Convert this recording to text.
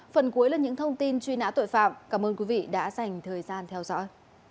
phần cuối là những thông tin truy nã tội phạm cảm ơn quý vị đã dành thời gian theo dõi